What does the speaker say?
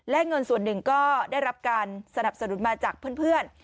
และเงินส่วนหนึ่งก็ได้รับการสนับสนุนมาจากเพื่อน